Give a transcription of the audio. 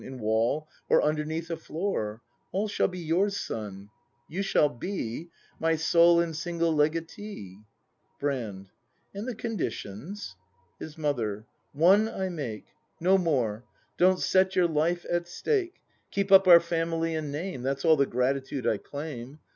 In wall, or underneath a floor; All shall be yours, son, you shall be My sole and single legatee. Brand. And the conditions ^ His Mother. One I make, No more; don't set your life at stake. Keep up our family and name, That's all the gratitude I claim.